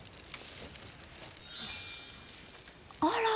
あら